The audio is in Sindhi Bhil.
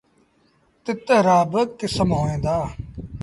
تتر رآ با ڪسم هوئيݩ دآ۔